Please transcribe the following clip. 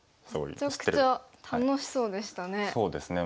めちゃくちゃ楽しそうでしたね。